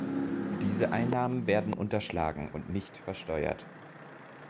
Diese Einnahmen werden unterschlagen und nicht versteuert.